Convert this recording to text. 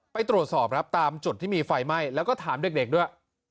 ไปตรวจสอบครับตามจุดที่มีไฟไหม้แล้วก็ถามเด็กด้วย